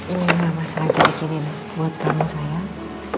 ini mama saja bikinin buat kamu sayang